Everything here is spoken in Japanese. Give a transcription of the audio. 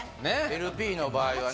ＬＰの場合はね。